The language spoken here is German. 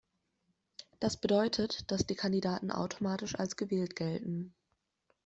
Das bedeutet, dass die Kandidaten automatisch als gewählt gelten.